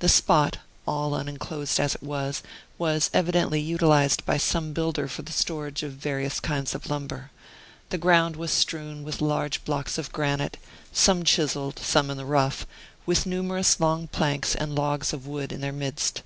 The spot, all unenclosed as it was, was evidently utilized by some builder for the storage of various kinds of lumber. The ground was strewn with large blocks of granite, some chiseled, some in the rough, with numerous long planks and logs of wood in their midst.